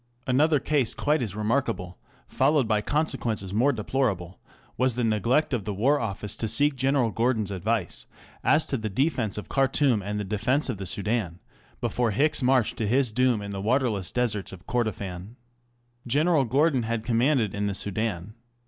Another case quite as remarkable, followed by consequences more deplorable, was the neglect of the War Office to seek General Gordon's advice as to the defence of Khartoum and the defence of the Soudan before Hicks marched to his doom in the waterless deserts of Kordof an. General Gordon had commanded in the Soudan.